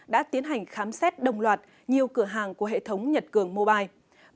đã tiến hành khám xét đồng loạt nhiều cửa hàng của hệ thống nhật cường mobile